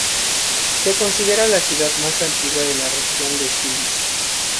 Se considera la ciudad más antigua de la región de Cilicia.